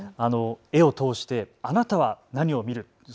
絵を通してあなたは何を見る？